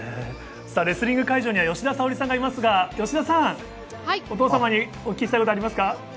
レスリング会場には吉田さんもいますが、お父様に聞きたいことは、ありますか？